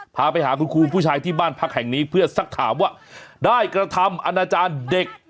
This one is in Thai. พาไปหาคุณครูผู้ชายที่บ้านพักแห่งนี้เพื่อสักถามว่าได้กระทำอนาจารย์เด็ก